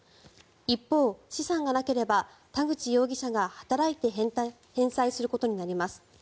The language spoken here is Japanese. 一方、資産がなければ田口容疑者が働いて返済することになります。